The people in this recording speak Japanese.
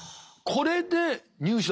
これで入試。